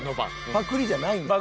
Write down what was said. パクリじゃないんやな？